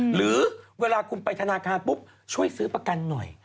หรือเวลาคุณไปธนาคารปุ๊บช่วยซื้อประกันหน่อย